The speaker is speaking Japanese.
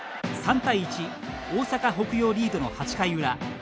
３対１大阪・北陽リードの８回裏。